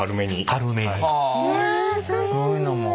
そういうのも。